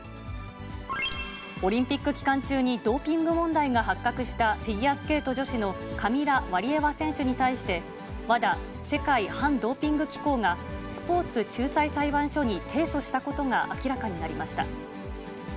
オリンピック期間中にドーピング問題が発覚したフィギュアスケート女子のカミラ・ワリエワ選手に対して、ＷＡＤＡ・世界反ドーピング機構がスポーツ仲裁裁判所に提訴したことが明らかになりました。